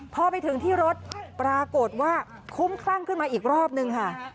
พอไปถึงที่รถปรากฏว่าคุ้มคลั่งขึ้นมาอีกรอบนึงค่ะ